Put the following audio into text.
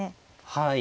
はい。